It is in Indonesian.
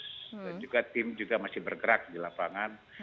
dan juga tim masih bergerak di lapangan